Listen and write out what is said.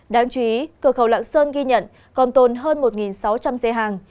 đáng chú ý cửa khẩu lạng sơn ghi nhận còn tồn hơn một sáu trăm linh xe hàng